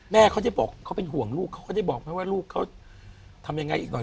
แม่เขาจะบอกเขาเป็นห่วงลูกเขาก็ได้บอกไหมว่าลูกเขาทำยังไงอีกหน่อย